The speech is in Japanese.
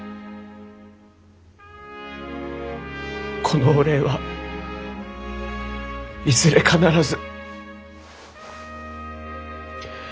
このお礼はいずれ必ず。